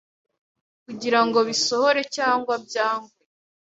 kugirango bisohore cyangwa byangwe